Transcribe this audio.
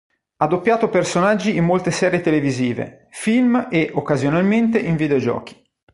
Ha doppiato personaggi in molte serie televisive, film e occasionalmente in videogiochi.